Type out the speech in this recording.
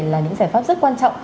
là những giải pháp rất quan trọng